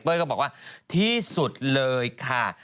ก็บอกว่าที่สุดเลยค่ะ